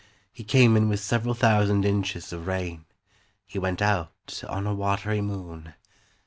He came in with several thousand inches of rain; He went out on a watery moon.